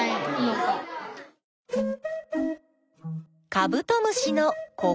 カブトムシのここ。